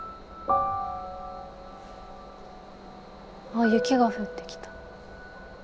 あっ、雪が降ってきた。